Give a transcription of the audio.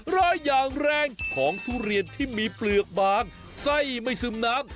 รอยอย่างแรงของทุเรียนที่มีเปลือกบางไส้ไม่ซึมน้ำ